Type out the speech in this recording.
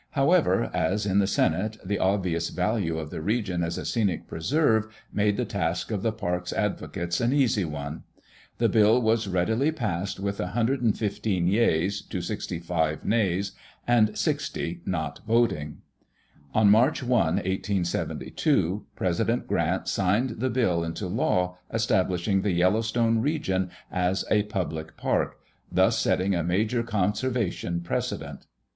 However, as in the Senate, the obvious value of the region as a scenic preserve made the task of the park's advocates an easy one. The bill was readily passed with 115 yeas to 65 nays, and 60 not voting. On March 1, 1872, President Grant signed the bill into law establishing the Yellowstone region as a public park, thus setting a major conservation precedent.